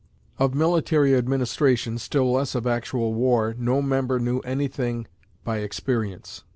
Of military administration, still less of actual war, no member knew anything by experience.